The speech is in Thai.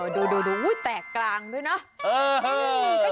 ดูแตกกลางด้วยเนาะ